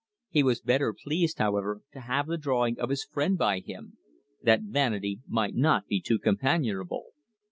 He was better pleased, however, to have the drawing of his friend by him, that vanity might not be too companionable.